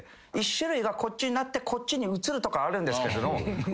１種類がこっちになってこっちにうつるとかはあるんですけど。